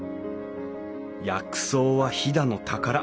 薬草は飛騨の宝。